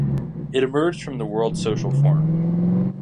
It emerged from the World Social Forum.